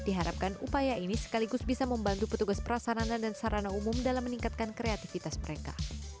diharapkan upaya ini sekaligus bisa membantu petugas prasarana dan sarana umum dalam meningkatkan kreativitas mereka